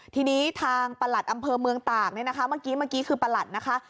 ทีนี้ทางประหลัดอำเภอเมืองตากเนี่ยนะคะเมื่อกี้เมื่อกี้คือประหลัดนะคะ